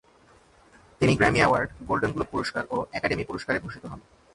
তিনি Grammy award, Golden Globe পুরস্কার ও একাডেমি পুরস্কারে ভূষিত হন।